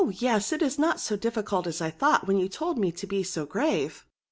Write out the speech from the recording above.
yes, it is not so difficult as 1 thought, when you told me to be so grave.